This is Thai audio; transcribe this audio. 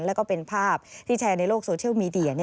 แล้วก็เป็นภาพที่แชร์ในโลกโซเชียลมีเดีย